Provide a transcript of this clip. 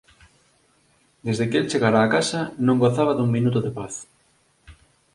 Desde que el chegara á casa non gozaba dun minuto de paz;